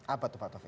apa itu pak taufik